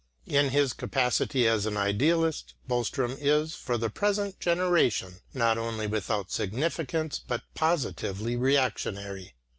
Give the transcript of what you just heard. In his capacity as an idealist, Boström is, for the present generation, not only without significance, but positively reactionary.